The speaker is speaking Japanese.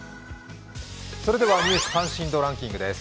それでは「ニュース関心度ランキング」です。